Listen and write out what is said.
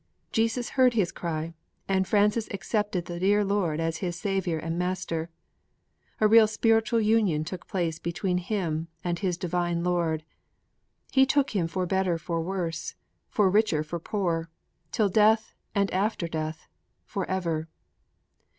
'Jesus heard his cry, and Francis accepted the dear Lord as his Saviour and Master. A real spiritual union took place between him and his Divine Lord. He took Him for better for worse, for richer for poorer, till death and after death, for ever.'